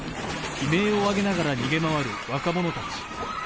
悲鳴を上げながら逃げ回る若者たち。